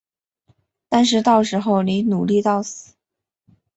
但是到时候你努力到死